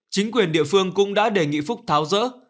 chính quyền địa phương cũng đã đề nghị phúc tháo rỡ